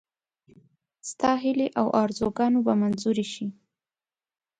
ستا هیلې او آرزوګانې به منظوري شي.